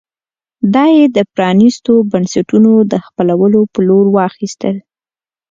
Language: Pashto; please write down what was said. دا یې د پرانېستو بنسټونو د خپلولو په لور واخیستل.